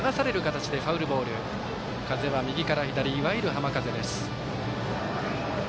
風は右から左いわゆる浜風です。